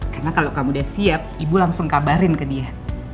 karena kalau kamu udah siap ibu langsung kabarin ke dia